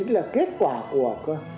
là kết quả của